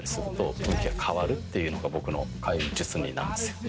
運気が変わるってのが僕の開運術になるんですよ。